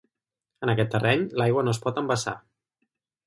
En aquest terreny l'aigua no es pot embassar.